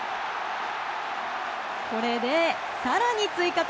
これで更に追加点。